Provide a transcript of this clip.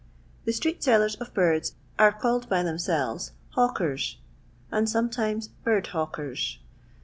Thb street sellers of birds are called by them selves "hnwkers," and sometimes " bird hawkers."